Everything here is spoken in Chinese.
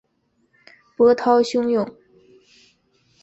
波涛汹涌